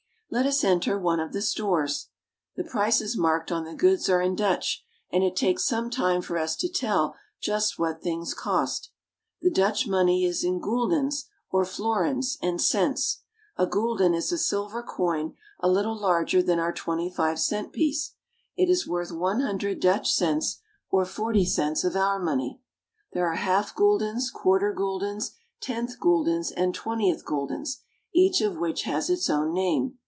Let us enter one of the stores. The prices marked on the goods are in Dutch, and it takes some time for us to tell just what things cost. The Dutch money is in guldens or florins, and cents. A gulden is a silver coin a little larger than our twenty five cent piece. It is worth one hundred IN THE DUTCH CITIES. 1 49 Dutch cents, or forty cents of our money. There are half guldens, quarter guldens, tenth guldens, and twentieth gul dens, each of which has its own name.